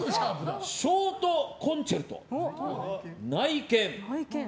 ショートコンチェルト内見。